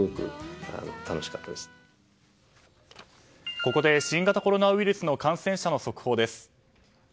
ここで新型コロナウイルスの感染者の速報です。